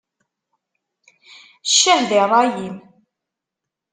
Ccah di ṛṛay-im!